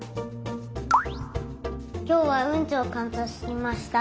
きょうはうんちをかんさつしました。